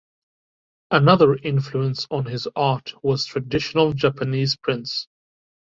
Another influence on his art was traditional Japanese prints.